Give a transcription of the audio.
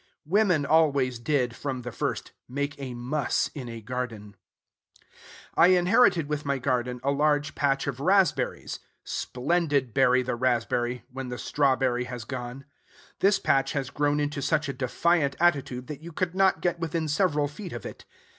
Woman always did, from the first, make a muss in a garden. I inherited with my garden a large patch of raspberries. Splendid berry the raspberry, when the strawberry has gone. This patch has grown into such a defiant attitude, that you could not get within several feet of it.